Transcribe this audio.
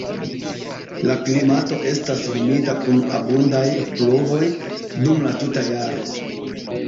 La klimato estas humida kun abundaj pluvoj dum la tuta jaro.